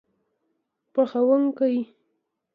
پخوونکی